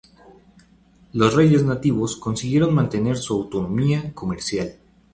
Los reyes nativos consiguieron mantener su autonomía comercial.